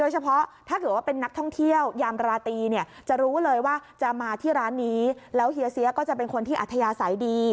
จะมาที่ร้านนี้แล้วเฮียเซียก็จะเป็นคนที่อัธยาศัยดี